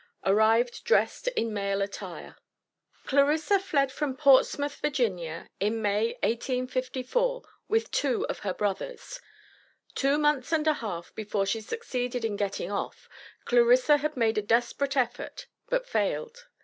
ARRIVED DRESSED IN MALE ATTIRE. Clarissa fled from Portsmouth, Va., in May, 1854, with two of her brothers. Two months and a half before she succeeded in getting off, Clarissa had made a desperate effort, but failed.